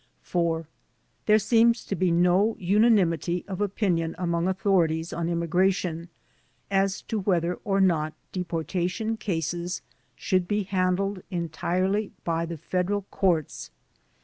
4. There seems to be no unanimity of opinion among authorities on immigration as to whether or not deporta tion cases should be handled entirely by the Federal Courts.